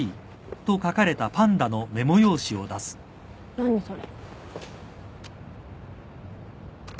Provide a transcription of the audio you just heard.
何それ。